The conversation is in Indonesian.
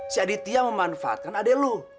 si aditya memanfaatkan adik lo